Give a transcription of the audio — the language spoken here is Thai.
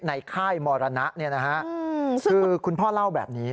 ค่ายมรณะคือคุณพ่อเล่าแบบนี้